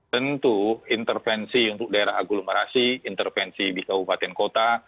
tentu intervensi untuk daerah aglomerasi intervensi di kabupaten kota